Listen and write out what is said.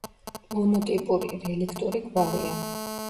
მონოტიპური, რელიქტური გვარია.